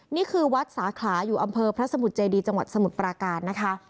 นี่คือวัดสาขลาอยู่อำเภอพระสมุทรเจดีจังหวัดสมุทรปราการนะคะ